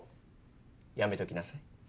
やめときなさい